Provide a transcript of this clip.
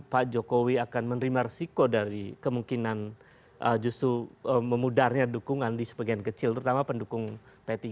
bahwa belum ingin jalan jalan ingin menikmati